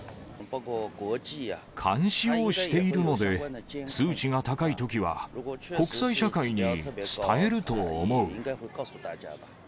監視をしているので、数値が高いときは国際社会に伝えると思う。